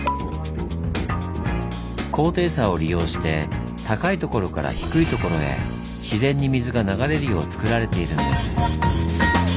高低差を利用して高いところから低いところへ自然に水が流れるようつくられているんです。